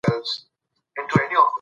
ایا تاسي د دې ویډیو په اړه پوهېږئ؟